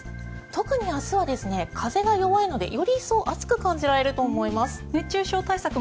特に明日は風が弱いのでより一層暑く感じられると思います。